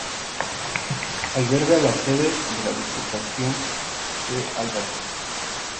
Alberga la sede de la Diputación de Albacete.